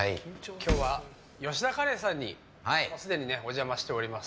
今日は吉田カレーさんにすでにお邪魔しております。